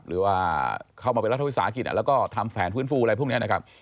หรือว่าเข้ามาเป็นรัฐวิสาหกิจแล้วก็ทำแผนฟื้นฟูอะไรพวกนี้นะครับ